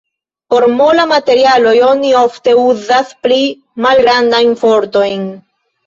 Por molaj materialoj oni ofte uzas pli malgrandajn fortojn.